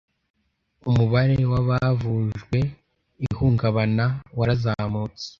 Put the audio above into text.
umubare w abavujwe ihungabana warazamutse